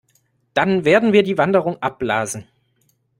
Dann werden wir die Wanderung abblasen.